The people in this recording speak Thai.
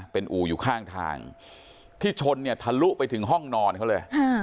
เป็นอู่อยู่ข้างทางที่ชนเนี่ยทะลุไปถึงห้องนอนเขาเลย